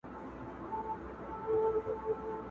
پهلوان د ترانو د لر او بر دی!